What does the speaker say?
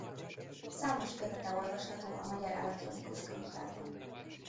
Számos kötete olvasható a Magyar Elektronikus Könyvtárban.